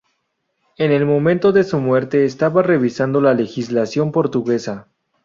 En el momento de su muerte estaba revisando la legislación portuguesa.